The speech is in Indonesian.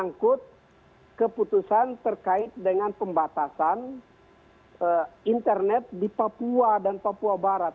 tapi saya tidak menemukan keputusan terkait dengan pembatasan internet di papua dan papua barat